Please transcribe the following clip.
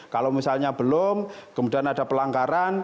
kalau misalnya belum kemudian ada pelanggaran